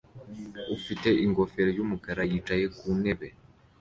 ufite ingofero yumukara yicaye ku ntebe